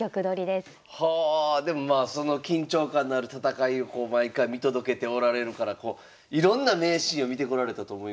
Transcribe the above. でもまあその緊張感のある戦いを毎回見届けておられるからいろんな名シーンを見てこられたと思いますから。